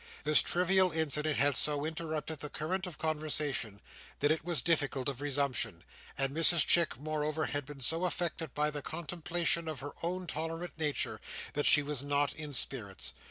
This trivial incident had so interrupted the current of conversation, that it was difficult of resumption; and Mrs Chick moreover had been so affected by the contemplation of her own tolerant nature, that she was not in spirits.